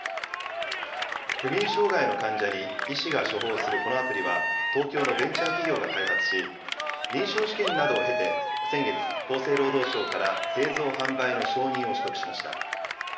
不眠障害の患者に医師が処方するこのアプリは、東京のベンチャー企業が開発し、臨床試験などを経て先月、厚生労働省から製造販売の承認を取得しました。